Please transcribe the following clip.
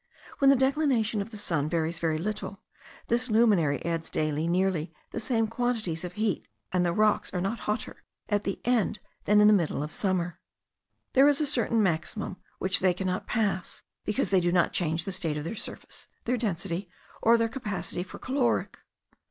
When the declination of the sun varies very little, this luminary adds daily nearly the same quantities of heat, and the rocks are not hotter at the end than in the middle of summer. There is a certain maximum which they cannot pass, because they do not change the state of their surface, their density, or their capacity for caloric.